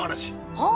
はあ！